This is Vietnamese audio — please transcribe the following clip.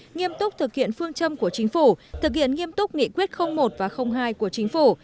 nghiêm túc thực hiện phương châm của chính phủ thực hiện nghiêm túc nghị quyết một và hai của chính phủ